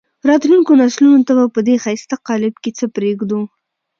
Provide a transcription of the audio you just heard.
راتلونکو نسلونو ته به په دې ښایسته قالب کې څه پرېږدو.